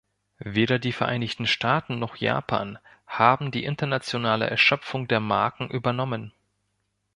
Weder die Vereinigten Staaten noch Japan haben die internationale Erschöpfung der Marken übernommen.